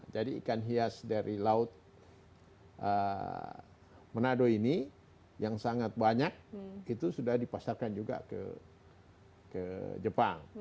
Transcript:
jadi ikan hias dari laut manado ini yang sangat banyak itu sudah dipasarkan juga ke jepang